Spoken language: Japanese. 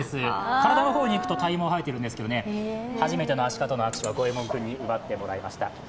体の方にいくと体毛も生えてるんですけど、初めてのアシカとの握手はゴエモン君に奪ってもらいました。